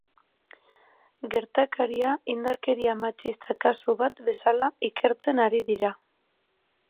Gertakaria indarkeria matxista kasu bat bezala ikertzen ari dira.